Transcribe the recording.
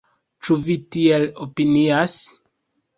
Ĉu vi tiel opinias?